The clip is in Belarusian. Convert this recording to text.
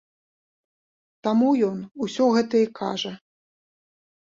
Таму ён усе гэта і кажа.